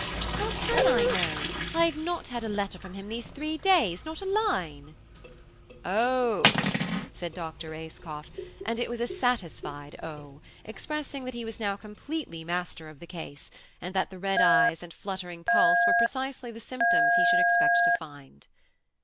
"How can I know? I have not had a letter from him these three days–not a line!" "Oh!" said Dr. Ayscough, and it was a satisfied oh; expressing that he was now completely master of the case, and that the red eyes and fluttering pulse were precisely the symptoms he should expect to find.